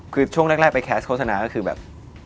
คือช่วงแรกไปแคสโฆษณาก็คือแบบ